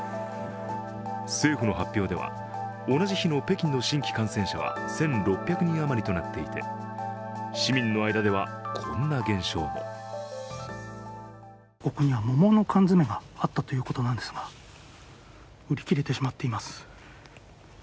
政府の発表では、同じ日の北京の新規感染者は１６００人余りとなっていて市民の間ではこんな現象もここには桃の缶詰があったということなんですが、売り切れてしまっています。